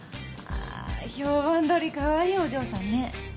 まあ評判どおりかわいいお嬢さんね！